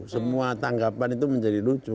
semua tanggapan itu menjadi lucu